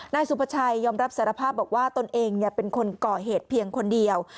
นายสุภาชัยยอมรับสารภาพบอกว่าตนเองเป็นคนก่อเหตุเพียงคนเดียว